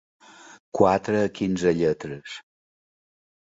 Quatre a quinze lletres.